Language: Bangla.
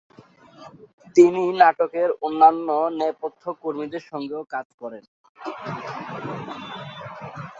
তিনি নাটকের অন্যান্য নেপথ্য কর্মীদের সঙ্গেও কাজ করেন।